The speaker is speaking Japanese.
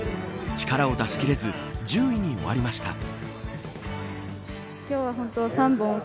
力を出し切れず１０位に終わりました。